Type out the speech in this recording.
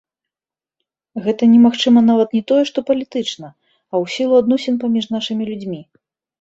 Гэта немагчыма нават не тое што палітычна, а ў сілу адносін паміж нашымі людзьмі.